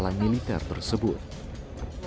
kamu lebih gigi btw